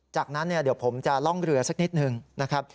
จากนั้นเดี๋ยวผมจะล่องเรือสักนิดหนึ่งนะครับ